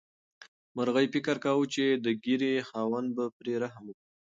مرغۍ فکر کاوه چې د ږیرې خاوند به پرې رحم وکړي.